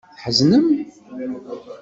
Tḥeznem?